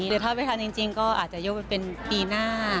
หรือถ้าไม่ทันจริงก็อาจจะยกไปเป็นปีหน้า